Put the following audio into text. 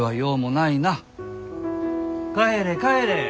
帰れ帰れ。